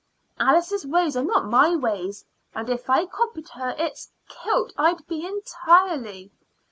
Alice's ways are not my ways, and if I copied her it's kilt I'd be entirely.